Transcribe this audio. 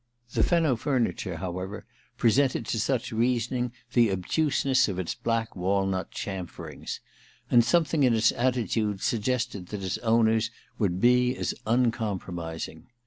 The Fenno furniture, however, presented to such 292 II THE QUICKSAND 293 reasoning the obtuseness of its black walnut chamferings ; and something in its attitude suggested that its owners would be as uncom promising.